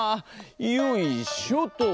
よいしょと。